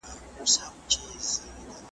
د ده له قبره تر اسمان پوري ډېوې ځلیږي `